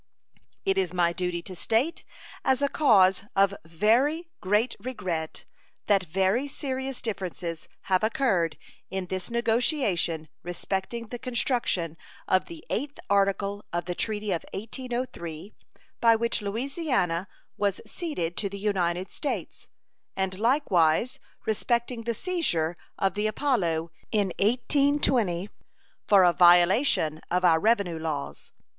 It is my duty to state, as a cause of very great regret, that very serious differences have occurred in this negotiation respecting the construction of the 8th article of the treaty of 1803, by which Louisiana was ceded to the United States, and likewise respecting the seizure of the Apollo, in 1820, for a violation of our revenue laws.